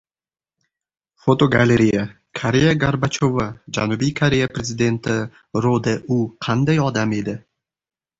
Fotogalereya: Koreya Gorbachyovi. Janubiy Koreya prezidenti Ro De U qanday odam edi?